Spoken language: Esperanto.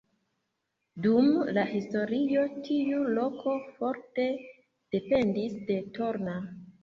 Dum la historio tiu loko forte dependis de Torna.